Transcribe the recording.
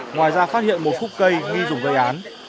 ngoài ra phát hiện một khúc cây nghi dùng gây án